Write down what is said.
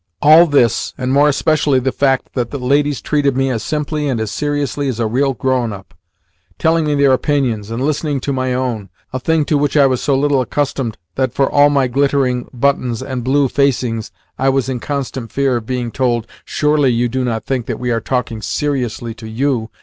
All this, and more especially the fact that the ladies treated me as simply and as seriously as a real grown up telling me their opinions, and listening to my own (a thing to which I was so little accustomed that, for all my glittering buttons and blue facings, I was in constant fear of being told: "Surely you do not think that we are talking SERIOUSLY to you?